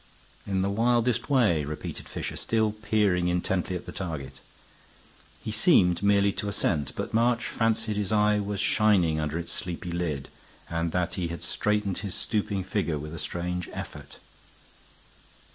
"In the wildest way," repeated Fisher, still peering intently at the target. He seemed merely to assent, but March fancied his eye was shining under its sleepy lid and that he straightened his stooping figure with a strange effort.